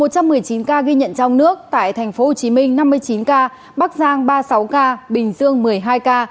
một trăm một mươi chín ca ghi nhận trong nước tại tp hcm năm mươi chín ca bắc giang ba mươi sáu ca bình dương một mươi hai ca